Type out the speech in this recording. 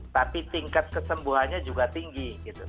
tapi tingkat kesembuhannya juga tinggi